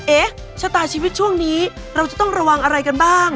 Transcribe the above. เอ๊ะชะตาชีวิตช่วงนี้เราจะต้องระวังอะไรกันบ้าง